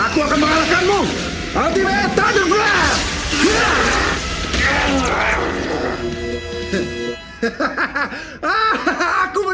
jualan mar merchandise